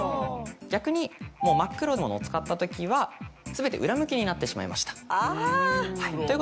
逆に真っ黒いものを使ったときは全て裏向きになってしまいました。